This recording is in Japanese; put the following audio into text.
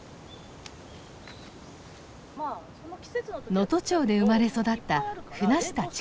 能登町で生まれ育った船下智香子さん。